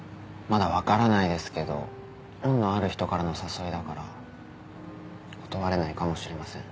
まだわからないですけど恩のある人からの誘いだから断れないかもしれません。